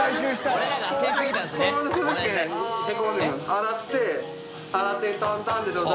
洗って。